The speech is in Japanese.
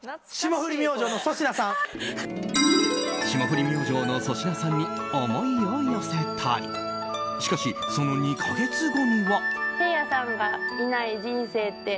霜降り明星の粗品さんに思いを寄せたりしかし、その２か月後には。